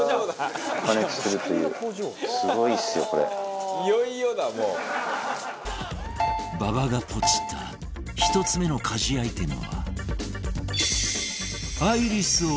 「いよいよだもう」馬場がポチった１つ目の家事アイテムは